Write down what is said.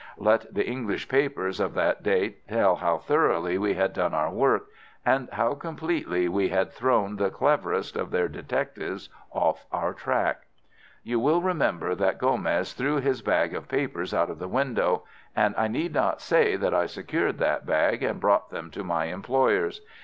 Let the English papers of that date tell how thoroughly we had done our work, and how completely we had thrown the cleverest of their detectives off our track. "You will remember that Gomez threw his bag of papers out of the window, and I need not say that I secured that bag and brought them to my employers.